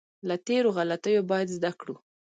له تېرو غلطیو باید زده کړو.